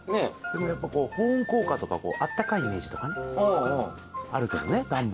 でもやっぱこう保温効果とかこうあったかいイメージとかねあるけどね段ボールね。